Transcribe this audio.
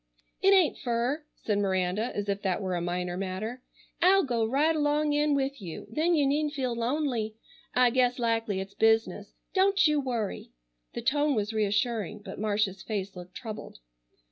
"It ain't fur," said Miranda as if that were a minor matter. "I'll go right along in with you, then you needn't feel lonely. I guess likely it's business. Don't you worry." The tone was reassuring, but Marcia's face looked troubled.